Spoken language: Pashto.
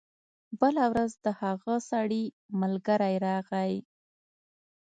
بله ورځ د هغه سړي ملګری راغی.